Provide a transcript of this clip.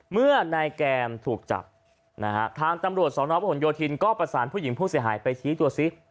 เมื่อนายแกมถูกจับนะฮะทางตำรวจสนประหลโยธินก็ประสานผู้หญิงผู้เสียหายไปชี้ตัวซิ